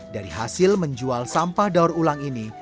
dari hasil menjual sampah daur ulang ini